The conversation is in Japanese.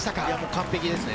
完璧ですね。